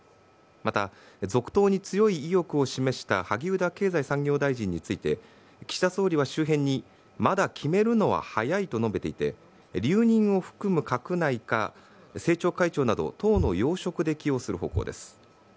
また、続投に強い意欲を示した萩生田経済産業大臣について岸田総理は周辺にまだ決めるのは早いと述べていて留任を含む閣内か政調会長など党の要職で起用する方向です。